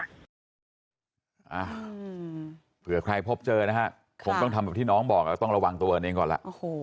อ่าเผื่อใครพบเจอนะฮะคงต้องทำแบบที่น้องบอกแล้วต้องระวังตัวเองก่อนล่ะ